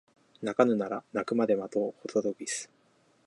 鳴かぬなら鳴くまで待とうホトトギス